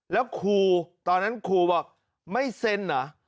แล้วครูตอนนั้นครูบอกไม่เซ็นเหรอ